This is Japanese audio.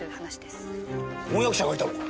婚約者がいたのか？